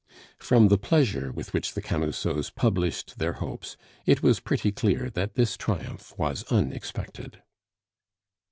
From the pleasure with which the Camusots published their hopes, it was pretty clear that this triumph was unexpected.